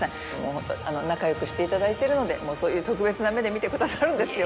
ホント仲良くしていただいてるのでそういう特別な目で見てくださるんですよ